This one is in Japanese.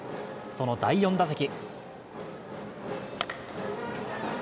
その第４打席。